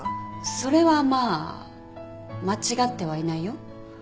それはまあ間違ってはいないよ。